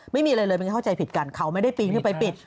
ไม่มีอะไรเลยมันก็เข้าใจผิดกันเขาไม่ได้ปีนขึ้นไปปิด